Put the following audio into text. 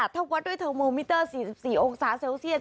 ถ้าวัดด้วยเทอร์โมมิเตอร์๔๔องศาเซลเซียส